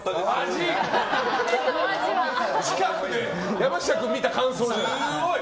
近くで山下君見た感想じゃない。